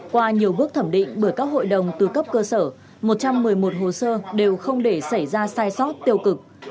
qua nhiều bước thẩm định bởi các hội đồng từ cấp cơ sở một trăm một mươi một hồ sơ đều không để xảy ra sai sót tiêu cực